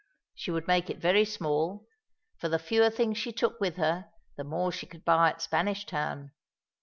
She would make it very small, for the fewer things she took with her the more she would buy at Spanish Town.